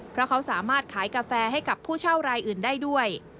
เพราะเขาสามารถขายกาแฟให้กับผู้เช่ารายอื่นได้ด้วย